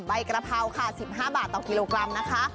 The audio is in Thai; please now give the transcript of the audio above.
ใบกระเพราค่ะ๑๕บาทต่อกิโลกรัมนะคะ